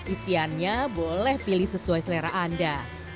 isiannya boleh pilih sesuai selera anda